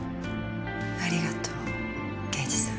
ありがとう刑事さん。